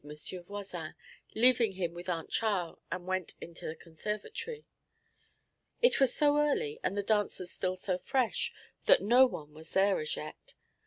Voisin, leaving him with Aunt Charl, and went into the conservatory. 'It was so early, and the dancers still so fresh, that no one was there as yet.